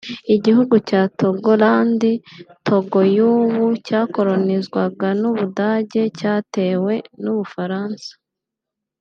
Igihugu cya Togoland (Togo y’ubu) cyakoronizwaga n’u Budage cyatewe n’u Bufaransa